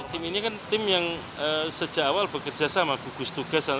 tim ini kan tim yang sejak awal bekerja sama gugus tugas